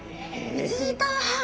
１時間半？